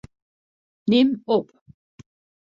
Nim op.